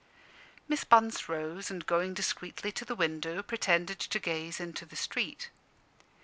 Miss Bunce rose, and going discreetly to the window, pretended to gaze into the street.